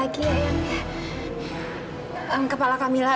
fadil itu sudah nggak peduli sama kamu